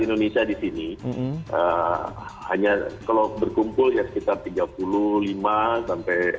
indonesia disini hanya kalau berkumpul ya sekitar tiga puluh empat puluh orang yang berkumpul di sini